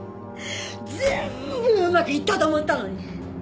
全部うまくいったと思ったのに。